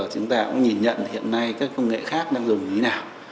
chúng ta cũng nhìn nhận hiện nay các công nghệ khác đang dùng như thế nào